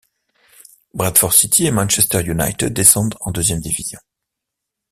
Bradford City et Manchester United descendent en deuxième division.